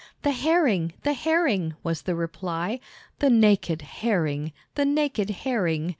"The Herring, the Herring!" was the reply. "The nak ed Herring, the nak ed Herring!"